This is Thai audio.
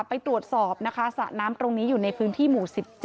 ไปตรวจสอบนะคะสระน้ำตรงนี้อยู่ในพื้นที่หมู่๑๗